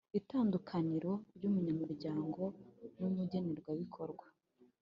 itandukaniro ry'umunyamuryango n'umugenerwabikorwa